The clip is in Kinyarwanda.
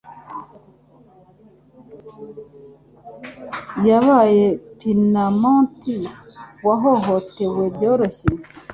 yabaye Pinamont wahohotewe byoroshye